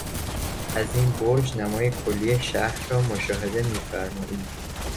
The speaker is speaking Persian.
از این برج نمای کلی شهر را مشاهده میفرمایید.